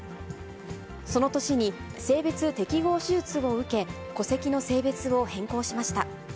その年に性別適合手術を受け、戸籍の性別を変更しました。